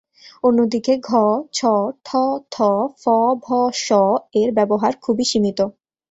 অন্যদিকে ঘ, ছ, ঠ, থ, ফ, ভ, শ এর ব্যবহার খুবই সীমিত।